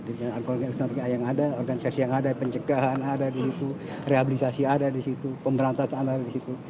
dengan strategi yang ada organisasi yang ada pencegahan ada di situ rehabilitasi ada di situ pemberantasan ada di situ